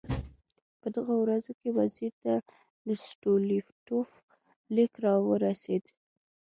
په دغو ورځو کې وزیر ته د ستولیتوف لیک راورسېد.